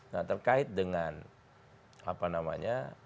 nah terkait dengan apa namanya